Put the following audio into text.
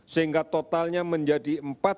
sehingga totalnya menjadi empat belas tiga puluh dua